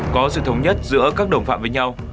có sự thống nhất giữa các đồng phạm với nhau